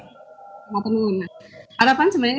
selamat malam harapan sebenarnya